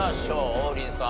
王林さん